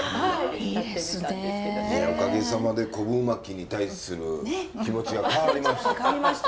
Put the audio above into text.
いやおかげさまで昆布巻きに対する気持ちが変わりました。